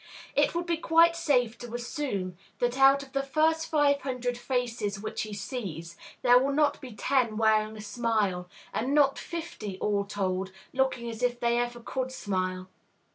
It would be quite safe to assume that out of the first five hundred faces which he sees there will not be ten wearing a smile, and not fifty, all told, looking as if they ever could smile.